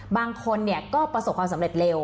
บางคนก็ประสบความสำเร็จเร็ว